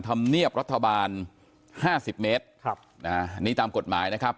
ธรรมเนียบรัฐบาล๕๐เมตรนี่ตามกฎหมายนะครับ